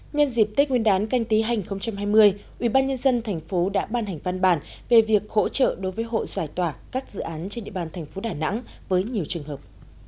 nhân dịp tết nguyên đán canh tí hành hai mươi ubnd tp đã ban hành văn bản về việc hỗ trợ đối với hộ giải tỏa các dự án trên địa bàn tp đà nẵng với nhiều trường hợp